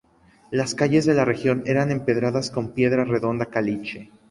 Las calles de la región eran empedradas con piedra redonda caliche.